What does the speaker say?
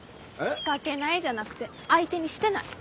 仕掛けないじゃなくて相手にしてない。